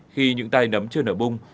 khi những tay nấm chưa nở bung